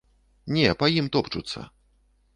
Не, па ім топчуцца.